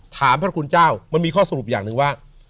ถามพระคุณเจ้ามันมีข้อสรุปอย่างหนึ่งว่า